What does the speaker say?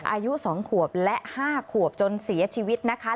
อายุ๒ขวบและ๕ขวบจนเสียชีวิตนะคะ